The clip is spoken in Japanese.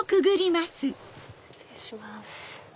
失礼します。